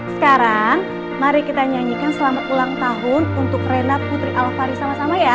sekarang mari kita nyanyikan selamat ulang tahun untuk renat putri alvari sama sama ya